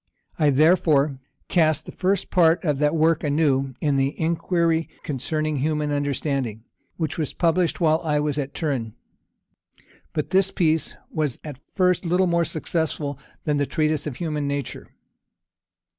I, therefore, cast the first part of that work anew in the Inquiry concerning Human Understanding, which was published while I was at Turin. But this piece was at first little more successful than the Treatise on Human Nature.